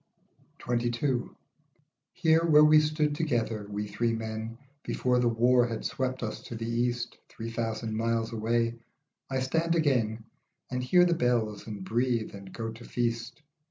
XXII. HERE, where we stood together, we three men, Before the war had swept us to the East, Three thousand miles away, I stand agen And hear the bells, and breathe, and go to feast.